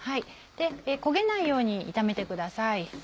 焦げないように炒めてください。